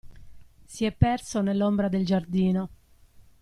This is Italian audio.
Si è perso nell'ombra del giardino.